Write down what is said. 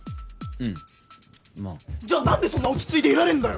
うんまあじゃあ何でそんな落ち着いていられんだよ！